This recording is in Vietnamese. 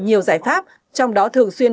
nhiều giải pháp trong đó thường xuyên